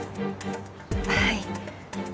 はい。